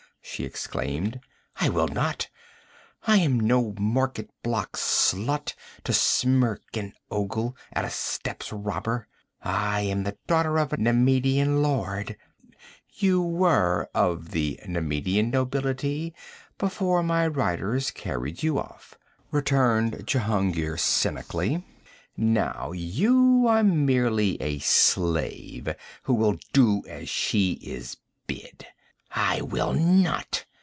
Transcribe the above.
she exclaimed. 'I will not! I am no market block slut to smirk and ogle at a steppes robber. I am the daughter of a Nemedian lord ' 'You were of the Nemedian nobility before my riders carried you off,' returned Jehungir cynically. 'Now you are merely a slave who will do as she is bid.' 'I will not!'